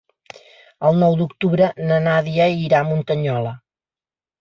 El nou d'octubre na Nàdia irà a Muntanyola.